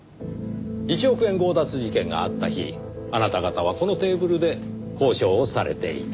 １億円強奪事件があった日あなた方はこのテーブルで交渉をされていた。